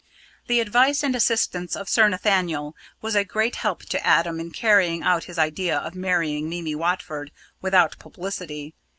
The advice and assistance of Sir Nathaniel was a great help to Adam in carrying out his idea of marrying Mimi Watford without publicity.